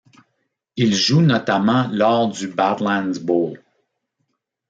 Il joue notamment lors du Badlands Bowl.